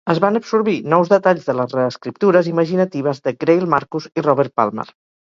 Es van absorbir nous detalls de les reescriptures imaginatives de Greil Marcus i Robert Palmer.